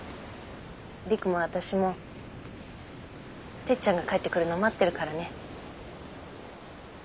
璃久も私もてっちゃんが帰ってくるの待ってるからね。